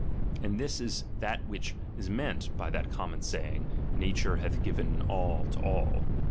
And this is ^H that which is meant by that common saying, na ^H ture hath given all to all.